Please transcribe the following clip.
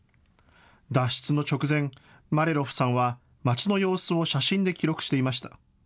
脱出の直前、マリャロフさんは町の様子を写真で記録していました。